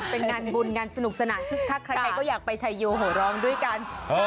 เป็นงานบุญงานสนุกสนาน